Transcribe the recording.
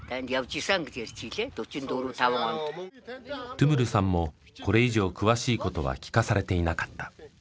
トゥムルさんもこれ以上詳しいことは聞かされていなかった。